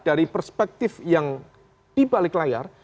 dari perspektif yang di balik layar